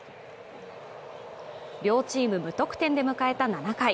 両チーム無得点で迎えた７回。